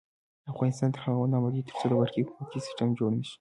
افغانستان تر هغو نه ابادیږي، ترڅو د برقی حکومتولي سیستم جوړ نشي.